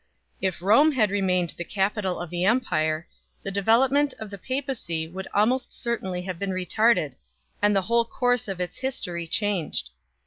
If Rome had remained the capital of the empire, the development of the papacy would almost certainly have been retarded^ and the whole course of its history changed.